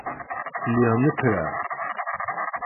Lliɣ nekkreɣ.